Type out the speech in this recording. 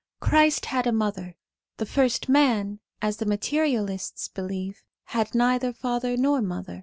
Christ had a mother ; the first man, as the materialists believe, had neither father nor mother.